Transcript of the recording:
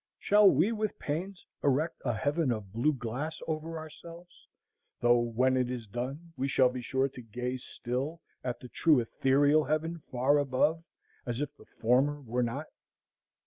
Shall we with pains erect a heaven of blue glass over ourselves, though when it is done we shall be sure to gaze still at the true ethereal heaven far above, as if the former were not?